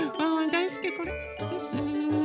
だいすきこれ！